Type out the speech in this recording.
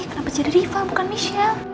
kenapa jadi riva bukan michelle